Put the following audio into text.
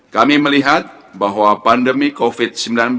kami melihat bahwa pandemi covid sembilan belas